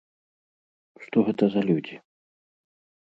Што гэта за людзі?